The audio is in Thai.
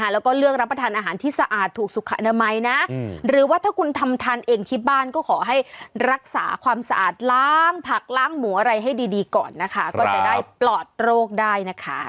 แล้วก็เลือกรับประทานอาหารที่สะอาดถูกสุขอนามัยนะหรือว่าถ้าคุณทำทานเองที่บ้านก็ขอให้รักษาความสะอาดล้างผักล้างหมูอะไรให้ดีก่อนนะคะก็จะได้ปลอดโรคได้นะคะ